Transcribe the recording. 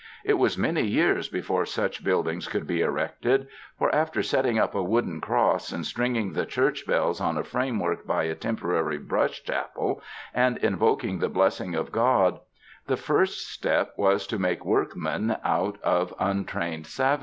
It was many years before such buildings could be erected; for, after setting up a wooden cross and stringing the church bells on a framework by a temporary brush chapel, and invoking the blessing of God, the first step was to make workmen out of untrained savages.